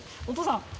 お父さん！